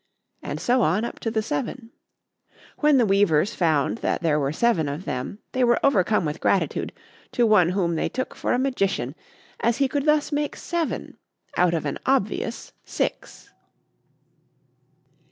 and so on up to the seven. When the weavers found that there were seven of them they were overcome with gratitude to one whom they took for a magician as he could thus make seven out of an obvious six.